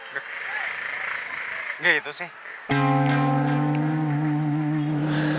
gak gitu sih